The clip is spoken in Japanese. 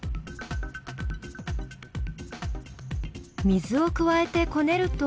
水を加えてこねると。